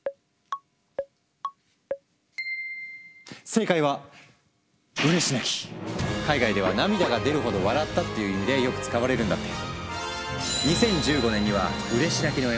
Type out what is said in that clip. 正解は海外では涙が出るほど笑ったっていう意味でよく使われるんだって。